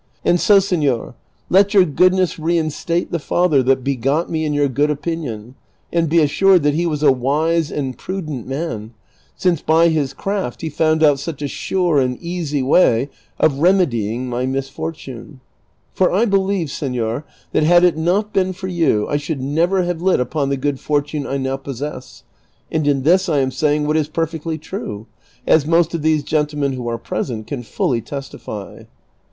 And so, seflor, let your goodness reinstate the father that begot me in your good opinion, and l)e assured that he was a wise and prudent man, since by his craft he found out such a sure and easy way of remedying my misfortune ; for I believe, senor, that had it not been for you I should never have lit upon the good fortune I now possess ; and in this I am saying what is perfectly true ; as most of these gentlemen who are present can fully testify.